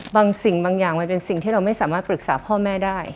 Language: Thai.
บางสิ่งบางอย่างมันเป็นสิ่งที่เราไม่สามารถปรึกษาพ่อแม่ได้